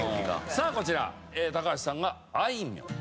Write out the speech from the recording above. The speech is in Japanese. さあこちら高橋さんがあいみょん。